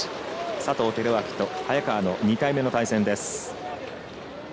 佐藤輝明と早川の２回目の対戦です。